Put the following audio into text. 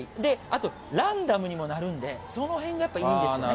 あと、ランダムにもなるんで、そのへんがやっぱりいいんですよね。